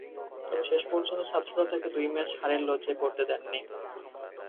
তবে শেষ পর্যন্ত ছাত্ররা তাঁকে দুই ম্যাচ হারের লজ্জায় পড়তে দেননি।